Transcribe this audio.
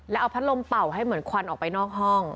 แล้วเอาพัดลมเป่าให้เหมือนควันออกไปนอกห้อง